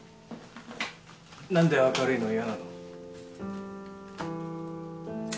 なんで明るいの嫌なの？